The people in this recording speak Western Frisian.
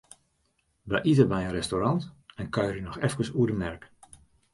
Wy ite by in restaurant en kuierje noch efkes oer de merk.